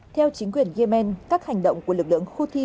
theo chính quyền yemen các hành động của lực lượng houthi